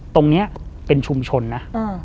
ตรงนี้เป็นชุมชนนะ